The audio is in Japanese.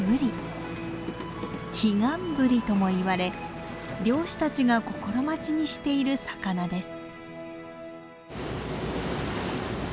彼岸ブリとも言われ漁師たちが心待ちにしている魚です。